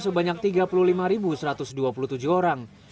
sebanyak tiga puluh lima satu ratus dua puluh tujuh orang